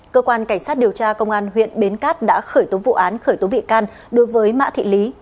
cơ quan cảnh sát điều tra công an huyện bến cát đã khởi tố vụ án khởi tố bị can đối với mã thị lý